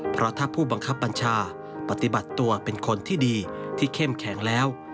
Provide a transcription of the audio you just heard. เพราะถ้าผู้บังคับบัญชาปฏิบัติตัวเป็นคนที่ดีที่เข้มแข็งแล้ว